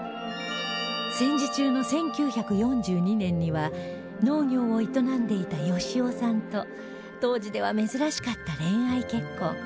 戦時中の１９４２年には農業を営んでいた善雄さんと当時では珍しかった恋愛結婚